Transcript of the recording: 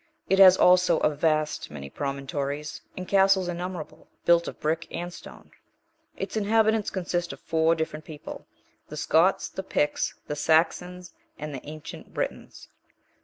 It has also a vast many promontories, and castles innumerable, built of brick and stone. Its inhabitants consist of four different people; the Scots, the Picts, the Saxons and the ancient Britons.